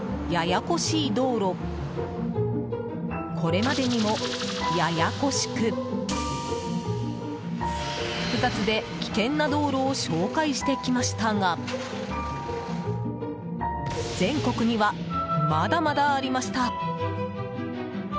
これまでにも、ややこしく複雑で危険な道路を紹介してきましたが全国には、まだまだありました。